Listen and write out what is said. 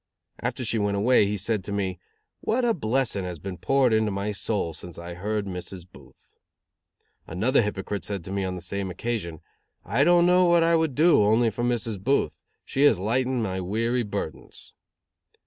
After she went away he said to me: "What a blessing has been poured into my soul since I heard Mrs. Booth." Another hypocrite said to me on the same occasion: "I don't know what I would do only for Mrs. Booth. She has lightened my weary burdens."